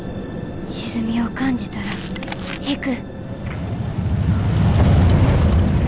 沈みを感じたら引く。